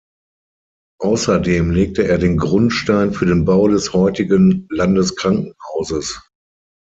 Außerdem legte er den Grundstein für den Bau des heutigen Landeskrankenhauses.